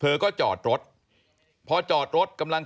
ถ้าเขาถูกจับคุณอย่าลืม